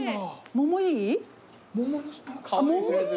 桃いい？